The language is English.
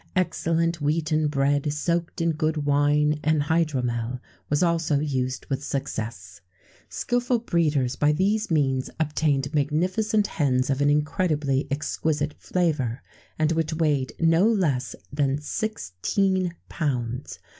Excellent wheaten bread, soaked in good wine and hydromel, was also used with success.[XVII 23] Skilful breeders by these means obtained magnificent hens of an incredibly exquisite flavour, and which weighed no less than sixteen pounds.